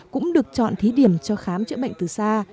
cũng được chọn thí điểm cho khám chữa bệnh từ xa